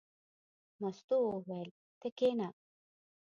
مستو وویل: ته کېنه.